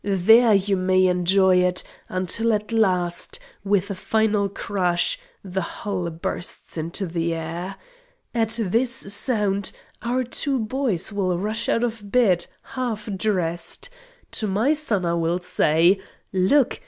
There you may enjoy it until at last, with a final crash, the hull bursts into the air. At this sound our two boys will rush out of bed half dressed. To my son I will say: 'Look!